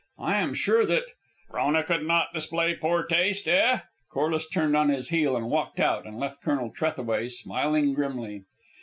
"I am sure that " "Frona could not display poor taste, eh?" Corliss turned on his heel and walked out, and left Colonel Trethaway smiling grimly.